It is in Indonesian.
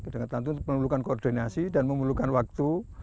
dengan tentu memerlukan koordinasi dan memerlukan waktu